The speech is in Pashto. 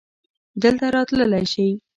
دلته راتللی شې؟